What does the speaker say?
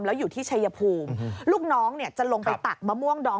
แล้วอยู่ที่ชายภูมิลูกน้องเนี่ยจะลงไปตักมะม่วงดอง